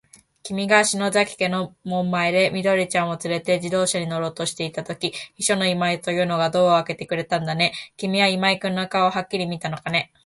きみが篠崎家の門前で、緑ちゃんをつれて自動車に乗ろうとしたとき、秘書の今井というのがドアをあけてくれたんだね。きみは今井君の顔をはっきり見たのかね。